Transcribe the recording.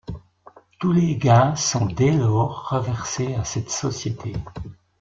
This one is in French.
Tous les gains sont dès lors reversés à cette société.